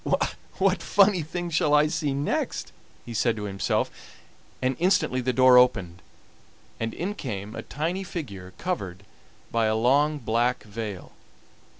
"What funny thing shall I see next?" he said to himself, and instantly the door opened, and in came a tiny figure covered by a long black veil.